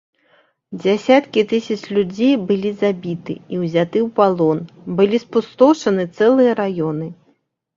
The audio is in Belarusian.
Дзясяткі тысяч людзей былі забіты і ўзяты ў палон, былі спустошаны цэлыя раёны.